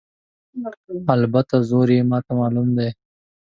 البته زور یې ماته معلوم دی.